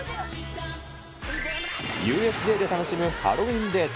ＵＳＪで楽しむハロウィーンデート。